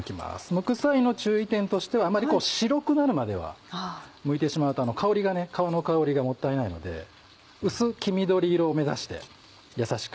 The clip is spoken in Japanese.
むく際の注意点としてはあまりこう白くなるまではむいてしまうと香りが皮の香りがもったいないので薄黄緑色を目指して優しく。